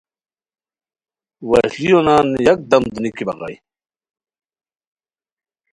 وشلیو نان یکدم دونیکی بغائے